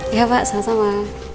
ya pak sama sama